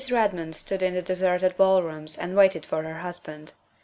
KEDMOND stood in the deserted ballrooms and waited for her husband.